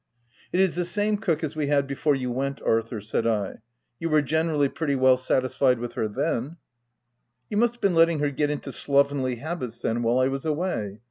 " It is the same cook as w r e had before you went, Arthur," said I. "You were generally pretty well satisfied with her then/' w You must have been letting her get into slovenly habits then, while I was away.